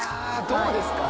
どうですか？